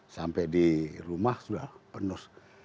sampai di rumah sudah penuh